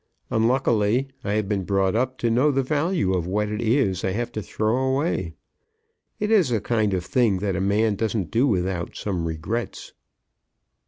"Unluckily I have been brought up to know the value of what it is I have to throw away. It is a kind of thing that a man doesn't do without some regrets."